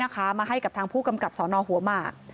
มาให้เพิ่มด้วยนะคะมาให้กับทางผู้กำกับสนหัวมาก